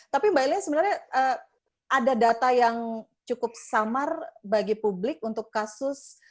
tapi mbak elia sebenarnya ada data yang cukup samar bagi publik untuk kasus